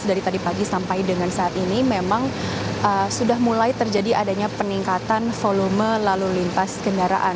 dari tadi pagi sampai dengan saat ini memang sudah mulai terjadi adanya peningkatan volume lalu lintas kendaraan